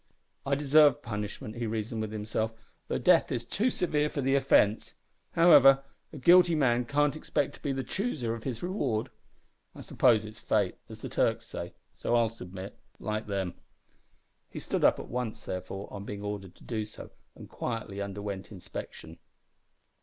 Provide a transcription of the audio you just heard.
"I deserve punishment," he reasoned with himself, "though death is too severe for the offence. However, a guilty man can't expect to be the chooser of his reward. I suppose it is fate, as the Turks say, so I'll submit like them." He stood up at once, therefore, on being ordered to do so, and quietly underwent inspection.